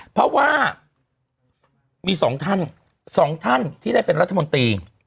เพราะว่ามีสองท่านสองท่านที่ได้เป็นรัฐมนตรี